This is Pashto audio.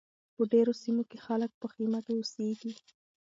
په ډېرو سیمو کې خلک په خیمه کې اوسیږي.